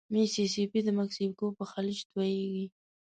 ميسي سي پي د مکسیکو په خلیج توییږي.